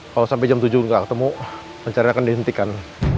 kalau sampai jam tujuh nggak ketemu pencarian akan dihentikan